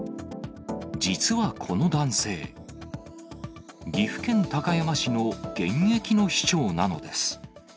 実はこの男性、岐阜県高山市の現役の市長なのです。